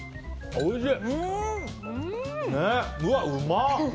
おいしい！